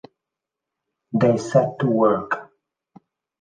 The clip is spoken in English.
They set to work.